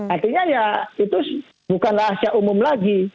artinya ya itu bukan rahasia umum lagi